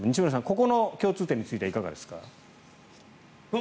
ここの共通点についてはいかがですか？